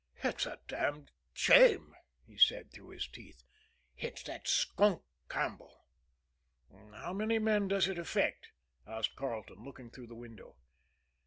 "It's a damned shame!" he said, through his teeth. "It's that skunk Campbell." "How many men does it affect?" asked Carleton, looking through the window.